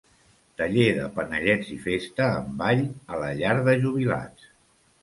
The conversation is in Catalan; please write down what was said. Taller de panellets i festa amb ball a la Llar de Jubilats.